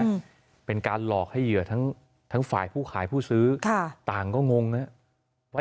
ว่าเป็นการหลอกให้เหยื่อทั้งฝ่ายผู้ขายผู้ซื้อต่างก็งงนะ